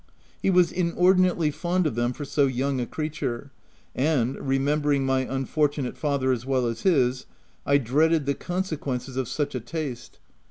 He was in ordinately fond of them for so young a creature, and, remembering my unfortunate father as well as his, I dreaded the consequences of such OF WILDFELL HALL. 7* a taste.